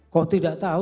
kok tidak tahu